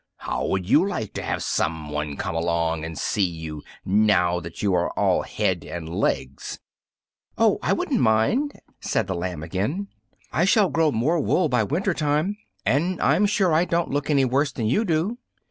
How would you like to have someone come along and see you, now that you are all head and legs?" "Oh, I wouldn't mind," said the lamb again; "I shall grow more wool by winter time, and I'm sure I don't look any worse than you do."